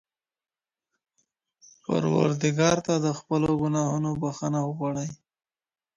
پروردګار ته د خپلو ګناهونو بښنه وغواړئ.